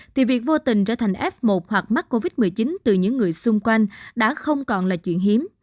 thì việc vô tình trở thành f một hoặc mắc covid một mươi chín từ những người xung quanh đã không còn là chuyện hiếm